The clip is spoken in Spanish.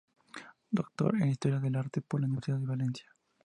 Doctor en Historia del Arte por la Universidad de Valencia.